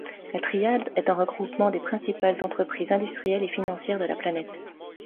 La triade est un regroupement des principales entreprises industrielles et financières de la planète.